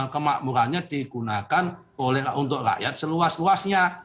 kemakmurannya digunakan untuk rakyat seluas luasnya